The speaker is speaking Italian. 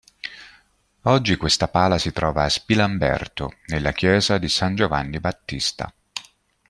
Oggi questa pala si trova a Spilamberto, nella chiesa di San Giovanni Battista.